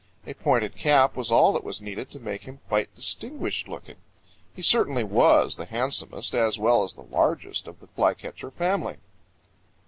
A pointed cap was all that was needed to make him quite distinguished looking. He certainly was the handsomest as well as the largest of the Flycatcher family.